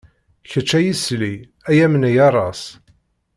Kečč ay isli, ay amnay aras.